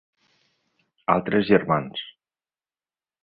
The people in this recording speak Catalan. Altres germans: